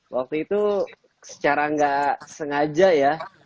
waktu itu secara nggak sengaja ya